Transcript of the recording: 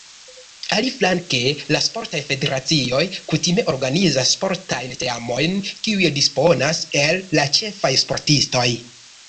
Aliflanke, la sportaj federacioj kutime organizas sportajn teamojn, kiuj disponas el la ĉefaj sportistoj.